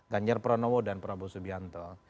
ganjar pranowo dan prabowo subianto